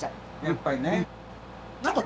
やっぱりね。